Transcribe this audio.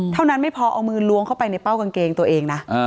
เท่านั้นไม่พอเอามือล้วงเข้าไปในเป้ากางเกงตัวเองนะ